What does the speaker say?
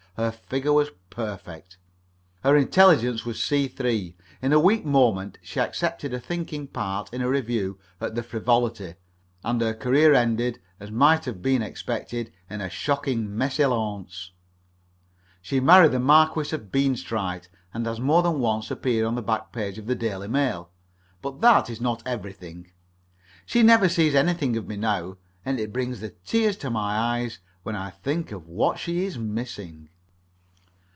Her figure was perfect. Her intelligence was C 3. In a weak moment she accepted a thinking part in a revue at the "Frivolity," and her career ended, as might have been expected, in a shocking mésalliance. She married the Marquis of Beanstrite, and has more than once appeared on the back page of the "Daily Mail," but that is not everything. She never sees anything of me now, and it brings the tears to my eyes when I think what she is missing.